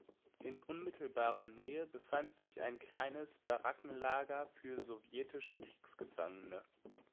In unmittelbarer Nähe befand sich ein kleines Barackenlager für sowjetische Kriegsgefangene.